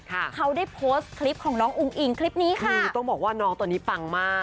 เขาได้โพสต์คลิปของน้องอุ้งอิงคลิปนี้ค่ะคือต้องบอกว่าน้องตอนนี้ปังมาก